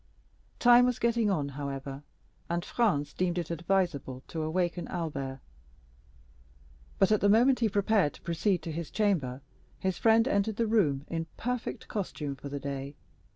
Time was getting on, however, and Franz deemed it advisable to awaken Albert; but at the moment he prepared to proceed to his chamber, his friend entered the room in perfect costume for the day.